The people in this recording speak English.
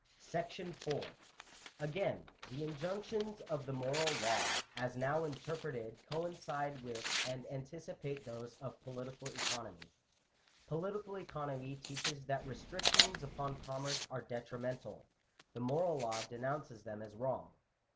M Again, the injunctions of the moral law, as now interpreted, coincide with and anticipate those of political economy. Po litical economy teaches that restrictions upon commerce are detrimental : the moral law denounces them as wrong (Chap. XXIII.).